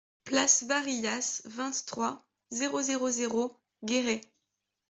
Place Varillas, vingt-trois, zéro zéro zéro Guéret